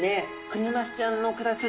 クニマスちゃんの暮らす